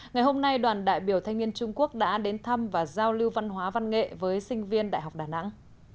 ngày hôm nay đoàn đại biểu thanh niên trung quốc đã đến thăm và giao lưu văn hóa văn nghệ với sinh viên đại học đà nẵng